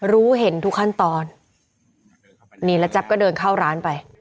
รู้เห็นทุกขั้นตอนนี่แล้วแจ๊บก็เดินเข้าร้านไป